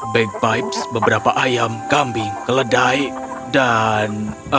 bagpipes beberapa ayam kambing keledai dan